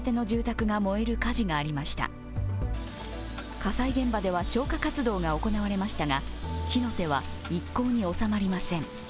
火災現場では消火活動が行われましたが火の手は一向に収まりません。